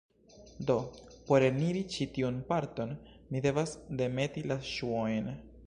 Do, por eniri ĉi tiun parton, mi devas demeti la ŝuojn